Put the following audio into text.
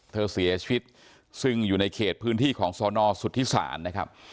เสียชีวิตซึ่งอยู่ในเขตพื้นที่ของสนสุธิศาลนะครับ